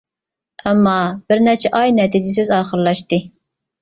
ئەمما، بىر نەچچە ئاي نەتىجىسىز ئاخىرلاشتى.